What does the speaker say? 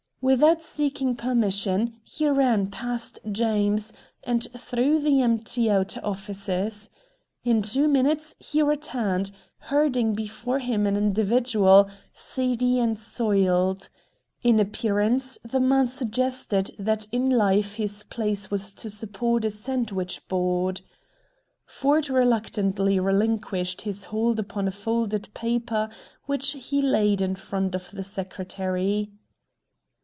Without seeking permission, he ran past James, and through the empty outer offices. In two minutes he returned, herding before him an individual, seedy and soiled. In appearance the man suggested that in life his place was to support a sandwich board. Ford reluctantly relinquished his hold upon a folded paper which he laid in front of the Secretary.